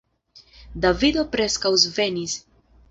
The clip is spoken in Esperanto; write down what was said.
Davido preskaŭ svenis.